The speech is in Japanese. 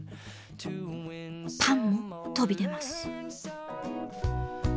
パンも飛び出ます。